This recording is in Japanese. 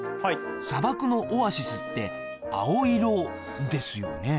砂漠のオアシスって青色ですよねえ？